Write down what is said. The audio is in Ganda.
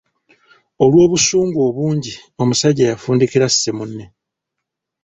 Olw’obusungu obungi, omusajja yafundikira asse munne.